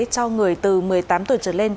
cho người từ một mươi tám tuổi trở lên